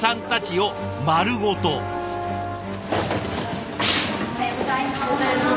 おはようございます。